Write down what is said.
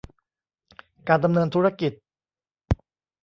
การดำเนินธุรกิจ